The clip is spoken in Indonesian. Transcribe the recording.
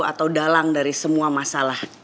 atau dalang dari semua masalah